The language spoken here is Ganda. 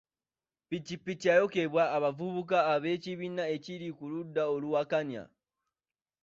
Ppikipiki yayokyebwa abavubuka b'ekibiina ekiri ku ludda oluwakanya.